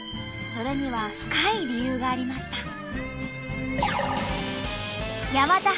それには深い理由がありました。